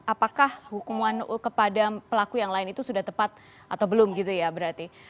apakah hukuman kepada pelaku yang lain itu sudah tepat atau belum gitu ya berarti